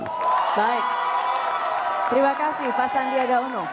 baik terima kasih pak sandiaga uno